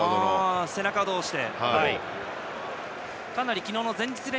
背中同士で。